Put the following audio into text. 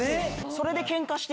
それで。